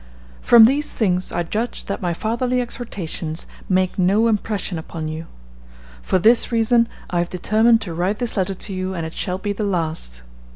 "From these things I judge that my fatherly exhortations make no impression upon you. For this reason I have determined to write this letter to you, and it shall be the last.